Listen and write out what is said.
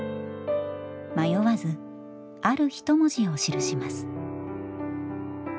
迷わずある一文字を記します。